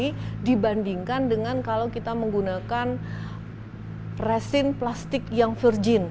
itu bisa kita kurangi dibandingkan dengan kalau kita menggunakan resin plastik yang virgin